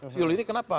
fuel ini kenapa